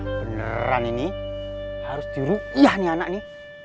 beneran ini harus dirukiah nih anak nih